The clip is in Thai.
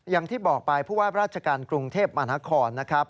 อย่างที่บอกไปผู้ว่าราชการกรุงเทพมหานครนะครับ